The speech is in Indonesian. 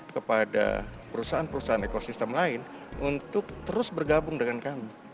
kepada perusahaan perusahaan ekosistem lain untuk terus bergabung dengan kami